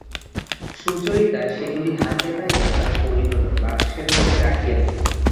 সুচরিতা সেগুলি হাতে পাইয়া আর পড়িল না, বাক্সের মধ্যে রাখিয়া দিল।